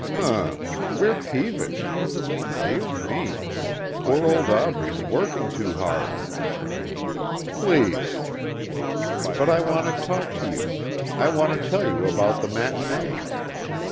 "Hm! We're peevish. Dear me. Poor old Aubrey's working too hard." "Please." "But I want to talk to you. I want to tell you about the matinee."